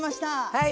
はい。